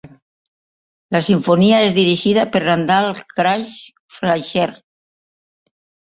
La Simfonia és dirigida per Randall Craig Fleischer.